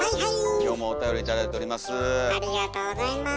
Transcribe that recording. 今日もおたより頂いております。